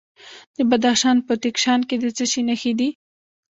د بدخشان په تیشکان کې د څه شي نښې دي؟